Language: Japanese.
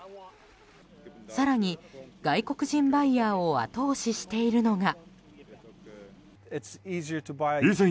更に、外国人バイヤーを後押ししているのが。